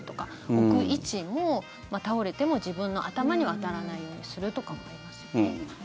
置く位置も倒れても自分の頭には当たらないようにするとかもありますよね。